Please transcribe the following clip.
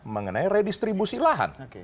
mengenai redistribusi lahan